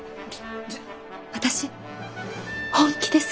私本気です。